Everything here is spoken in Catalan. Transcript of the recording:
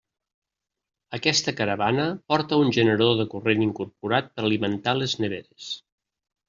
Aquesta caravana porta un generador de corrent incorporat per alimentar les neveres.